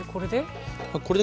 これで。